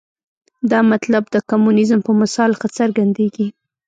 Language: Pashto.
دا مطلب د کمونیزم په مثال ښه څرګندېږي.